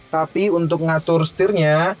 tapi untuk ngatur setirnya